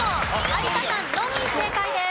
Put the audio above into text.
有田さんのみ正解です。